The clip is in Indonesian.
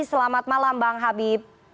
selamat malam bang habib